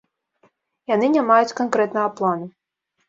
Яны не маюць канкрэтнага плану.